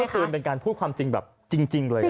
คือเมื่อคืนเป็นการพูดความจริงแบบจริงเลย